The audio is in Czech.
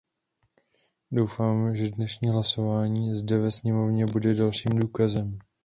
Doufám, že dnešní hlasování zde ve sněmovně bude dalším důkazem.